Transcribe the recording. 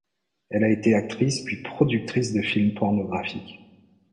Elle a été actrice puis productrice de films pornographiques.